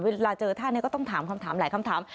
เวลาเจอท่านก็ต้องถามคำถามหลายคำถาม